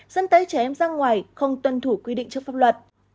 dẫn tới trẻ em ra ngoài không tuân thủ quy định trước pháp luật